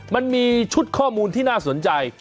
มันมีชุดข้อมูลที่น่าสนใจ